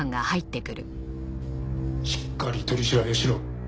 しっかり取り調べしろ。